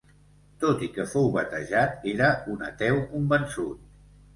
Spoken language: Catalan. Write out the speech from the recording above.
Tot i que fou batejat, era un ateu convençut.